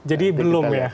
jadi belum ya